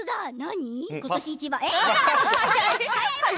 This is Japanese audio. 何？